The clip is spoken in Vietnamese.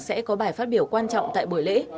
sẽ có bài phát biểu quan trọng tại buổi lễ